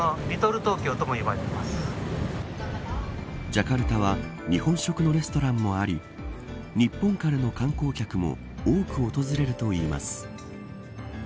ジャカルタは日本食のレストランもあり日本からの観光客も多く訪れるといいます。